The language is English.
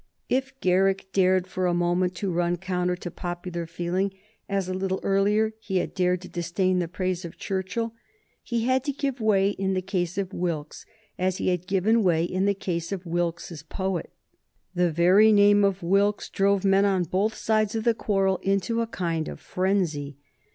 If Garrick dared for a moment to run counter to popular feeling, as a little earlier he had dared to disdain the praise of Churchill, he had to give way in the case of Wilkes, as he had given way in the case of Wilkes's poet. The very name of Wilkes drove men on both sides of the quarrel into a kind of frenzy.